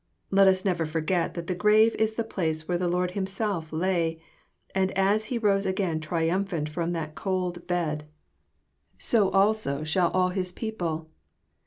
[Let us never forget that the grave is the place where the Lord Himself lay, and that as He rose again triumphant from that cold bed, so also shall all JOHN, CHAP. XI. 245 His people.